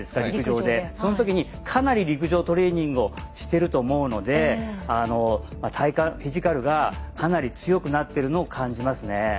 陸上でそのときにかなり陸上トレーニングをしていると思うのでフィジカルがかなり強くなっているのを感じますね。